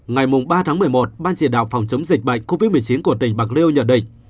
ngày ba tháng một mươi một ban chỉ đạo phòng chống dịch bệnh covid một mươi chín của tỉnh bạc liêu nhận định